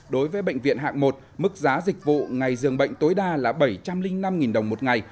đối với bệnh viện hạng một mức giá dịch vụ ngày dường bệnh tối đa là bảy trăm linh năm đồng một ngày